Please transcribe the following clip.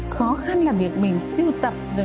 khó khăn là việc mình siêu tập rồi